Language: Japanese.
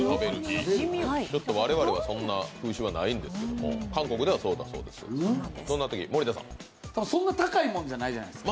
我々はそんな風習はないんですけども韓国では、そうなんだそうです。